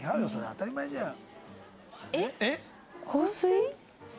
当たり前じゃん。